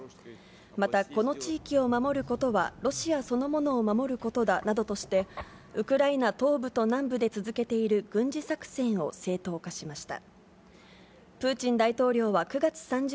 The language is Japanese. またこの地域を守ることは、ロシアそのものを守ることだなどとして、ウクライナ東部と南部で続けている軍事作戦を正当化しました。